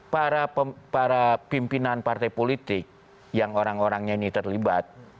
para pimpinan partai politik yang orang orangnya ini terlibat